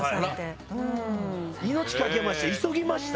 命懸けました！